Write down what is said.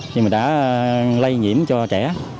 nhưng mà đã lây nhiễm cho trẻ